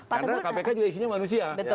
karena kpk juga isinya manusia